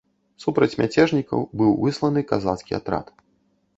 Супраць мяцежнікаў быў высланы казацкі атрад.